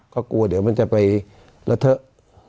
ก็กลัวเดี๋ยวมันจะไปเลอะเทอะ